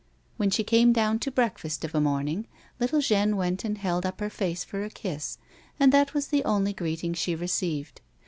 When she came down to breakfast of a morning, little Jeanne went and held up her face for a kiss, and that was the only greeting she received.